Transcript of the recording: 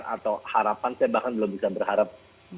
atau harapan saya bahkan belum bisa berharap